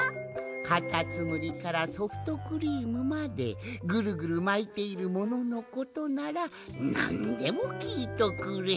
かたつむりからソフトクリームまでぐるぐるまいているもののことならなんでもきいとくれ。